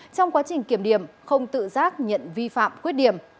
trong quá trình kiểm điểm không tự giác nhận vi phạm khuyết điểm